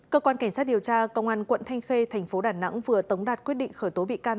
cơ quan cảnh sát điều tra công an quận thanh khê thành phố đà nẵng vừa tống đạt quyết định khởi tố bị can